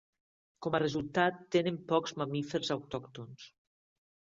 Com a resultat tenen pocs mamífers autòctons.